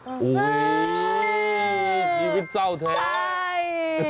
จริงจีบจริงชีวิตเศร้าแท้